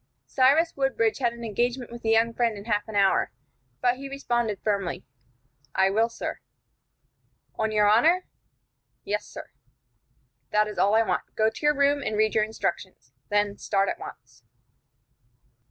Cyrus Woodbridge had an engagement with a young friend in half an hour, but he responded, firmly: "I will, sir." "On your honor?" "Yes, sir." "That is all I want. Go to your room, and read your instructions. Then start at once."